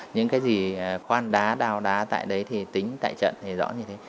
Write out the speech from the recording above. những cái gì khoan đá đào đá tại đấy thì tính tại trận thì rõ như thế